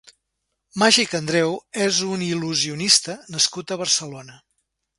Màgic Andreu és un il·lusionista nascut a Barcelona.